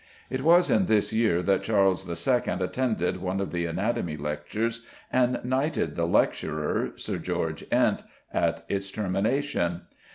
It was in this year that Charles II. attended one of the anatomy lectures, and knighted the lecturer (Sir George Ent) at its termination.